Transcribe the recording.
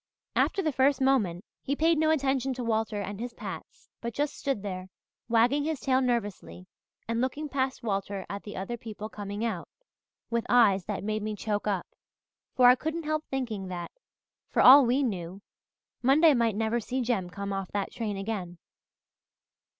After the first moment, he paid no attention to Walter and his pats, but just stood there, wagging his tail nervously and looking past Walter at the other people coming out, with eyes that made me choke up, for I couldn't help thinking that, for all we knew, Monday might never see Jem come off that train again.